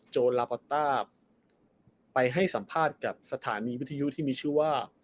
ลาปอต้าไปให้สัมภาษณ์กับสถานีวิทยุที่มีชื่อว่า